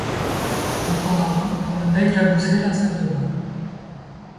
un paravent pour ne pas éclabousser la salle de bains